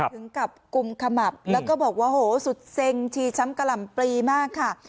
ถึงกับกุมขมับแล้วก็บอกว่าโหสุดเซ็งชีช้ำกะหล่ำปลีมากค่ะ